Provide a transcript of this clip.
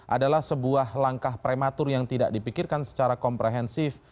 adalah sebuah langkah prematur yang tidak dipikirkan secara komprehensif